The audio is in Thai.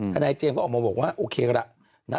นายเจมส์ก็ออกมาบอกว่าโอเคละ